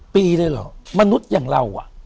ปีเลยเหรอมนุษย์อย่างเรา